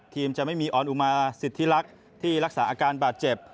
จะไม่มีออนอุมาสิทธิลักษณ์ที่รักษาอาการบาดเจ็บ